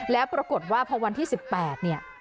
และปรากฏว่าพอวันที่๑๘